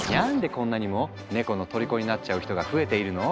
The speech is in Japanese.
こんなにもネコのとりこになっちゃう人が増えているの？